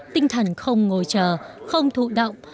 tinh thần không ngồi chờ không thụ động